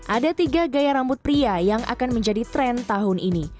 ada tiga gaya rambut pria yang akan menjadi tren tahun ini